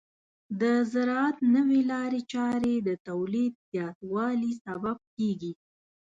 د زراعت نوې لارې چارې د تولید زیاتوالي سبب کیږي.